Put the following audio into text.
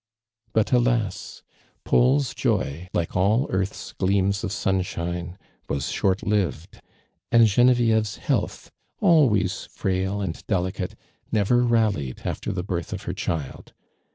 But, alas I Paul's joy, like all earth's gleams of sunshine, was short lived, and Genevieve'8health, alwaysfrail and delicate, never rallied after the birth of her child.